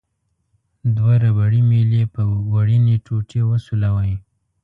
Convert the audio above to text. دوه ربړي میلې په وړینې ټوټې وسولوئ.